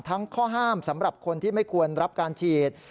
ข้อห้ามสำหรับคนที่ไม่ควรรับการฉีด